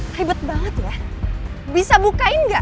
hebat banget ya bisa bukain gak